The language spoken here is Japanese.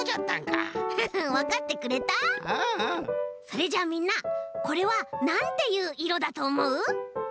それじゃあみんなこれはなんていういろだとおもう？